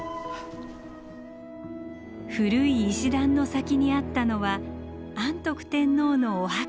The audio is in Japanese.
古い石段の先にあったのは安徳天皇のお墓と伝わる場所。